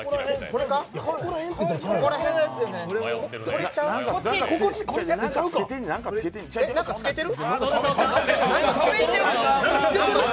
手に何かつけてる。